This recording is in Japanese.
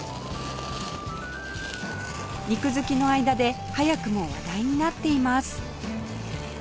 肉好きの間で早くも話題になっています